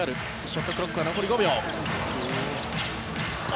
ショットクロックは残り５秒。